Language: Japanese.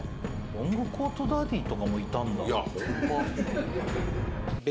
ロングコートダディとかもいたんだ